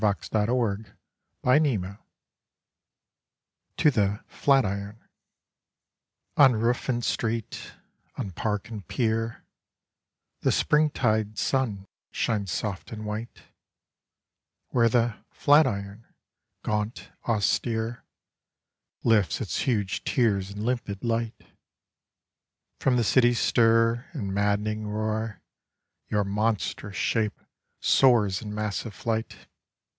(11) Digitized by Google To the Plat Iron" On roof and street, on park and pier, The springtide sun shines soft and white, Where the "Plat Iron", gaunt, austere, Lifts its huge tiers in limpid light. Proa the city's stir and madd'nin.s roar Your monstrous shape soars in massive flight.